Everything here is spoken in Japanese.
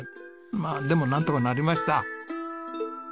まあでもなんとかなりました。